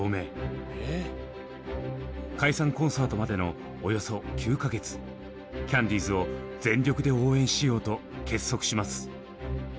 解散コンサートまでのおよそ９か月キャンディーズを全力で応援しようと結束します。